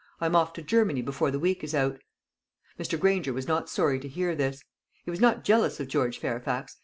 I am off to Germany before the week is out." Mr. Granger was not sorry to hear this. He was not jealous of George Fairfax.